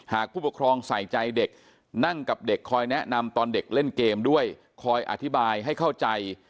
ผู้ปกครองใส่ใจเด็กนั่งกับเด็กคอยแนะนำตอนเด็กเล่นเกมด้วยคอยอธิบายให้เข้าใจ